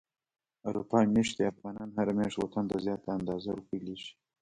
اروپا ميشتي افغانان هره مياشت وطن ته زياته اندازه روپی ليږي.